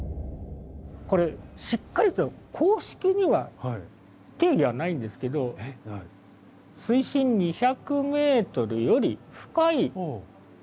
これしっかりと公式には定義はないんですけど水深２００ｍより深いところを深海と呼ばれることが多いですね。